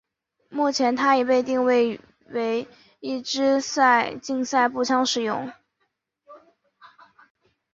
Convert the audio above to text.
目前它已被定位为一枝竞赛步枪使用。